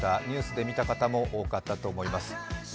ニュースで見た方も多かったと思います。